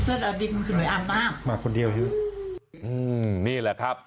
เห็นอดิบเสื้ออดิบมันคือหน่วยอันมามาคนเดียวอยู่อืมนี่แหละครับ